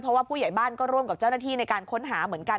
เพราะว่าผู้ใหญ่บ้านก็ร่วมกับเจ้าหน้าที่ในการค้นหาเหมือนกัน